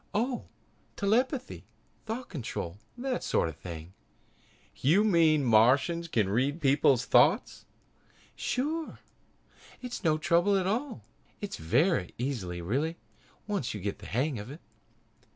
"Oh, telepathy, thought control that sort of thing." "You mean that Martians can read people's thoughts?" "Sure! It's no trouble at all. It's very easy really, once you get the hang of it."